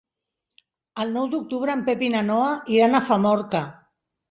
El nou d'octubre en Pep i na Noa iran a Famorca.